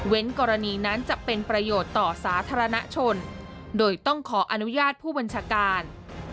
กรณีนั้นจะเป็นประโยชน์ต่อสาธารณชนโดยต้องขออนุญาตผู้บัญชาการ